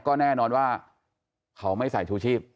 ก็แน่นอนว่าเขาไม่ใส่ชูชีพ